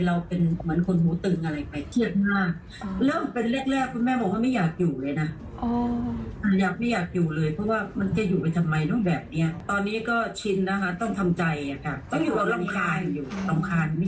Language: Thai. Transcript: เห็นดูมีพี่แคนนี่อยู่ใกล้นะคะก็ก็หายเร็วแหละ